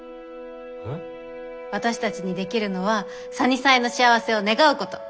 私たちにできるのはサニサイの幸せを願うこと。